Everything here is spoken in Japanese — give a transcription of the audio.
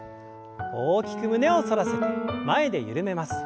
大きく胸を反らせて前で緩めます。